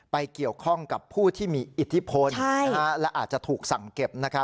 เกี่ยวข้องกับผู้ที่มีอิทธิพลและอาจจะถูกสั่งเก็บ